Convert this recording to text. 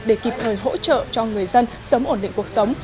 để kịp thời hỗ trợ cho người dân sớm ổn định cuộc sống